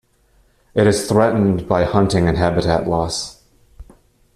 It is threatened by hunting and habitat loss.